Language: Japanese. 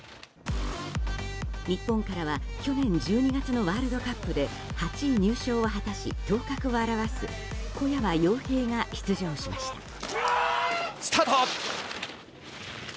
日本からは去年１２月のワールドカップで８位入賞を果たし、頭角を現す小山陽平が出場しました。